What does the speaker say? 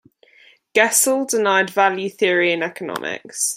Gesell denied value theory in economics.